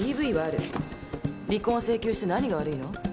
離婚を請求して何が悪いの？